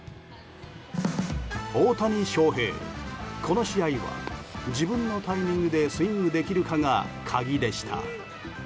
大谷翔平、この試合は自分のタイミングでスイングできるかが鍵でした。